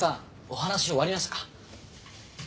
お話終わりましたか？